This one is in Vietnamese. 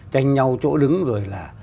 chanh nhau chỗ đứng rồi là